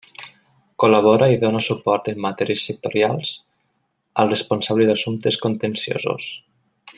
Col·labora i dóna suport en matèries sectorials al responsable d'assumptes contenciosos.